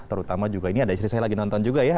terutama juga ini ada istri saya lagi nonton juga ya